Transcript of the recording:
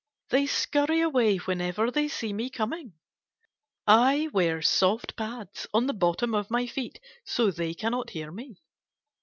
They scurry away whenever they see me coming. I wear soft pads on the bottom of my feet so they cannot hear me.